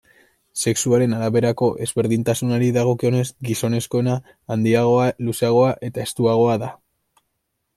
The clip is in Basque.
Sexuaren araberako ezberdintasunari dagokionez, gizonezkoena handiagoa, luzeagoa eta estuagoa da.